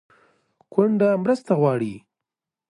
کونډه مرسته غواړي